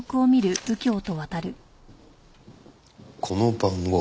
この番号。